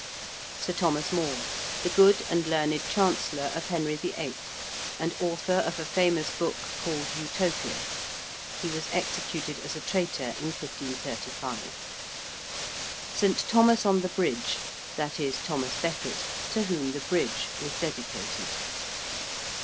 ~Sir Thomas More~: the good and learned chancellor of Henry VIII., and author of a famous book called 'Utopia.' He was executed as a traitor in 1535. ~St. Thomas on the Bridge~: that is, Thomas Becket, to whom the bridge was dedicated.